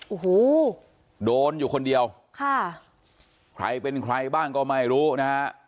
โอ้โหโดนอยู่คนเดียวค่ะใครเป็นใครบ้างก็ไม่รู้นะฮะ